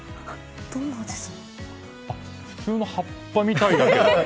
あ、普通の葉っぱみたいだけど。